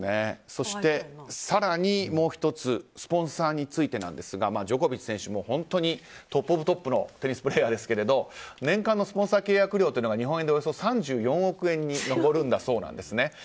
そして、更にもう１つスポンサーについてですがジョコビッチ選手は本当にトップオブトップのテニスプレーヤーですけど年間のスポンサー契約料が日本円でおよそ３４億円に上るんだそうです。